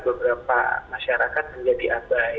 beberapa masyarakat menjadi abai